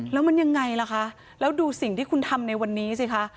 แล้วมันยังไงล่ะคะแล้วดูสิ่งที่คุณทำในวันนี้สิคะ